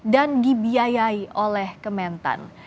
dan dibiayai oleh kementan